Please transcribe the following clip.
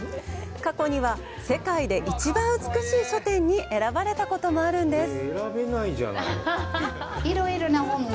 過去には、世界で一番美しい書店に選ばれたこともあるんです！